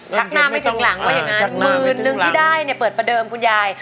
ชักหน้าไม่ถึงหลังว่าอย่างงั้นชักหน้าไม่ถึงหลังมือหนึ่งที่ได้เนี้ยเปิดประเดิมคุณยาย